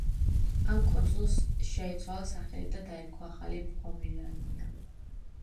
ამ კუნძულს შეეცვალა სახელი და დაერქვა ახალი პომერანია.